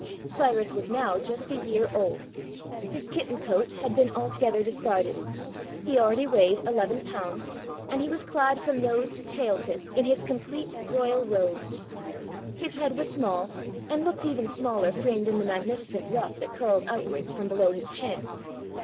... Cyrus was now just a year old ; his kitten coat had been altogether discarded ; he already weighed eleven pounds, and he was clad from nose to tail tip in his complete royal robes. His head was small, and looked even smaller framed in the magnificent ruff that curled outwards from below his chin.